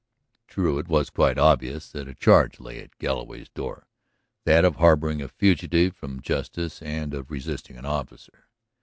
True, it was quite obvious that a charge lay at Galloway's door, that of harboring a fugitive from justice and of resisting an officer.